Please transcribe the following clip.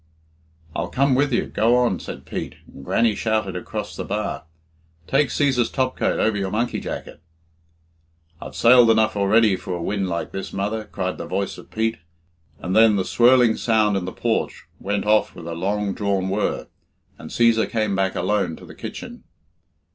"I'll come with you go on," said Pete, and Grannie shouted across the bar "Take Cæsar's topcoat over your monkey jacket." "I've sail enough already for a wind like this, mother," cried the voice of Pete, and then the swirling sound in the porch went off with a long drawn whirr, and Cæsar came back alone to the kitchen.